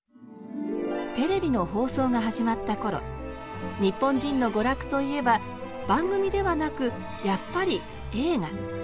テレビの放送が始まった頃日本人の娯楽といえば番組ではなくやっぱり映画。